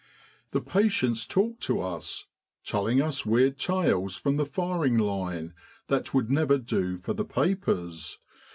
The patients talk to us, telling us weird tales from the firing line that would never do for the papers.